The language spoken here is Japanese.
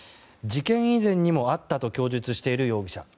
事件以前にも会ったと供述している容疑者。